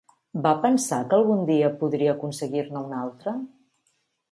Va pensar que algun dia podria aconseguir-ne una altra?